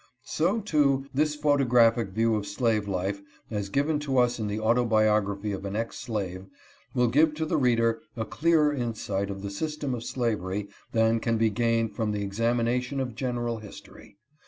So, too, this 20 INTRODUCTION. photographic view of slave life as given to us in the autobiography of an ex slave will give to the reader a clearer insight of the system of slavery than can be gained from the examination of general history.